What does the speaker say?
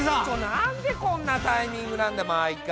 なんでこんなタイミングなんだ毎回！